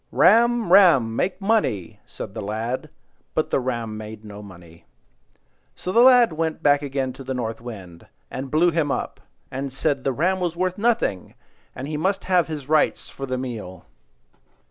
"Ram, ram! Make money!" said the lad; but the ram made no money. So the lad went back again to the North Wind, and blew him up, and said the ram was worth nothing, and he must have his rights for the meal.